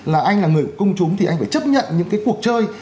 là anh là người công chúng thì anh phải chấp nhận những cái cuộc chơi